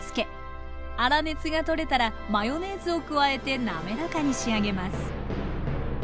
粗熱がとれたらマヨネーズを加えて滑らかに仕上げます